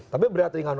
tapi berat ringan